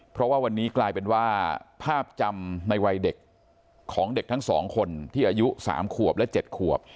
เพราะว่าวันนี้กลายเป็นว่าภาพจำในวัยเด็กของเด็กทั้ง๒คนที่อายุ๓ขวบและ๗ขวบ